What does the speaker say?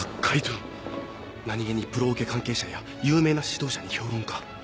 何気にプロオケ関係者や有名な指導者に評論家。